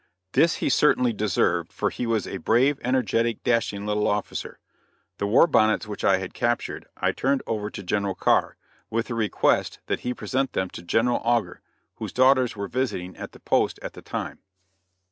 This he certainly deserved for he was a brave, energetic, dashing little officer. The war bonnets which I had captured I turned over to General Carr, with the request that he present them to General Augur, whose daughters were visiting at the post at the time.